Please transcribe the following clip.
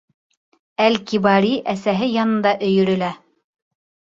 Әл-Кибари әсәһе янында өйөрөлә.